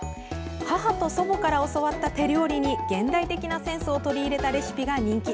母と祖母から教わった手料理に現代的なセンスを取り入れたレシピが人気。